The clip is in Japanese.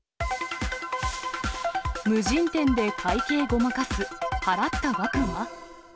無人店で会計ごまかす、払った額は？